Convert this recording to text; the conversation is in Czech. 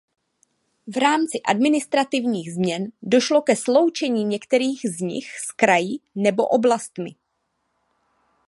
V rámci administrativních změn došlo ke sloučení některých z nich s kraji nebo oblastmi.